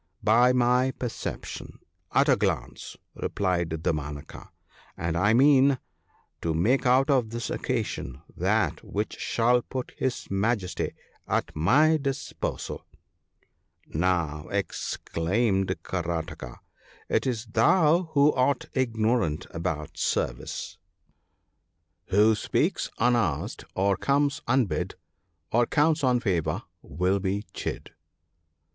* By my perception — at a glance !' replied Damanaka ; 'and I mean to make out of this occasion that which shall put his Majesty at my disposal.' 'Now,' exclaimed Karataka, 'it is thou who art ignorant about service, — THE PARTING OF FRIENDS. 63 " Who speaks unasked, or comes unhid, Or counts on favour — will be chid."